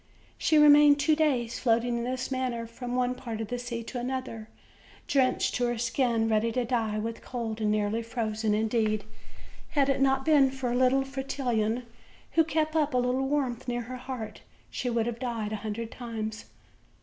She remained two days floating in this manner from one part of the sea to another, denched to her skin, ready to die with cold, and nearly frozen; indeed, had it not been for little Fretillon, who kept up a little warmth near her heart, she would have died a hundred times.